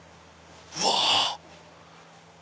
うわ！